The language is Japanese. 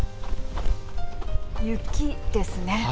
雪ですね。